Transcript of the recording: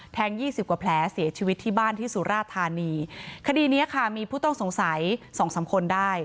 ยี่สิบกว่าแผลเสียชีวิตที่บ้านที่สุราธานีคดีเนี้ยค่ะมีผู้ต้องสงสัยสองสามคนได้